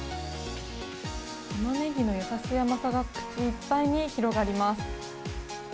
タマネギの優しい甘さが口いっぱいに広がります。